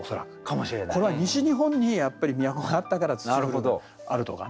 これは西日本にやっぱり都があったから「霾」があるとかね。